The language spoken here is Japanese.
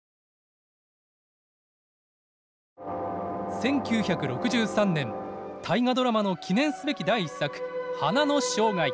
１９６３年「大河ドラマ」の記念すべき第１作「花の生涯」。